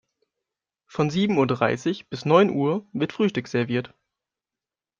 Von sieben Uhr dreißig bis neun Uhr wird Frühstück serviert.